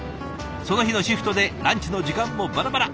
その日のシフトでランチの時間もバラバラ。